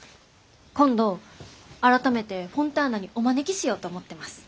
今度改めてフォンターナにお招きしようと思ってます。